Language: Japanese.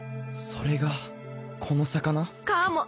それがこの魚？かも。